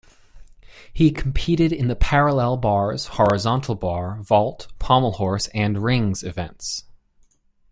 He competed in the parallel bars, horizontal bar, vault, pommel horse, and rings events.